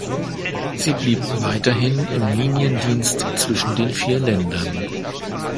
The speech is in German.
Sie blieb weiterhin im Liniendienst zwischen den vier Ländern.